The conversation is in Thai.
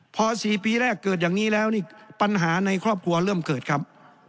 พอ๔ปีแรกเกิดอย่างนี้แล้วนี่ปัญหาในครอบครัวเริ่มเกิดครับ